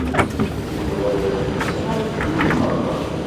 Idurar akked tɣaltin merra.